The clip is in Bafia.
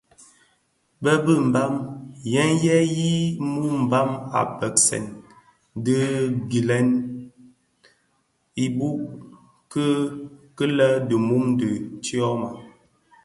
Bë bi Mbam yèn yè yi muu mbam a begsè dhi gilèn ibouk ki lè di mum dhi tyoma.